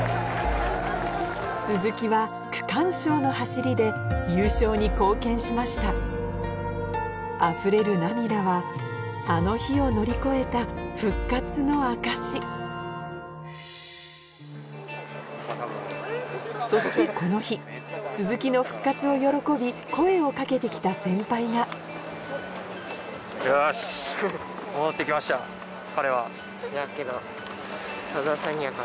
鈴木は区間賞の走りで優勝に貢献しましたあふれる涙はあの日を乗り越えた復活の証しそしてこの日鈴木の復活を喜び声を掛けて来た先輩がちわっす。